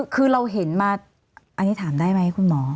คือเราเห็นมาอันนี้ถามได้ไหมคุณหมอ